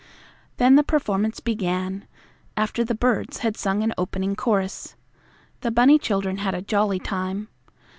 Then the performance began, after the birds had sung an opening chorus. The bunny children had a jolly time.